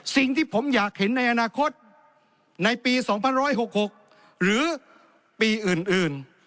สิ่งที่ผมอยากเห็นในอนาคตในปี๒๑๖๖หรือปีอื่น